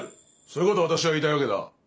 そういうことを私は言いたいわけだ。